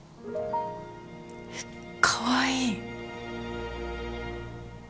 かわいい。